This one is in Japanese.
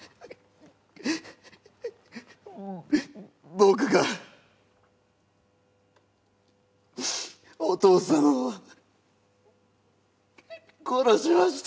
僕がお義父さんを殺しました。